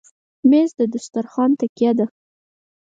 مېز د دسترخوان تکیه ده.